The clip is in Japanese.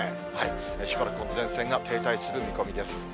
しばらく前線が停滞する見込みです。